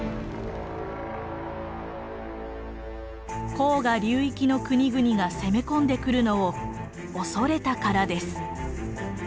黄河流域の国々が攻め込んでくるのを恐れたからです。